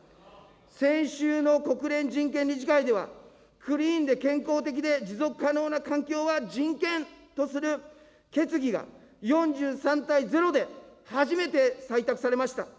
先週の国連人権理事会では、クリーンで健康的で持続可能な環境は人権とする決議が４３対０で初めて採択されました。